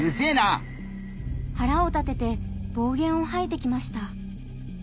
はらを立てて暴言をはいてきました。